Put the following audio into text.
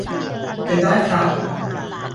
เป็นได้ครับ